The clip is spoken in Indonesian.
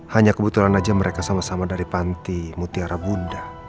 hanya kebetulan saja mereka sama sama dari panti mutiara bunda